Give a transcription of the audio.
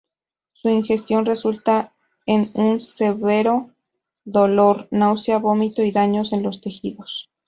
Su ingestión resulta en un severo dolor, náusea, vómito y daños en los tejidos.